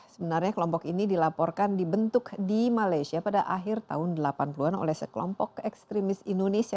sebenarnya kelompok ini dilaporkan dibentuk di malaysia pada akhir tahun delapan puluh an oleh sekelompok ekstremis indonesia